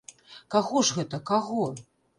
Каго ж гэта, каго?